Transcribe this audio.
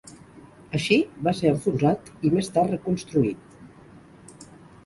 Així, va ser enfonsat i, més tard, reconstruït.